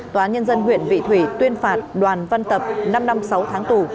tòa nhân dân huyện vị thủy tuyên phạt đoàn văn tập năm năm sáu tháng tù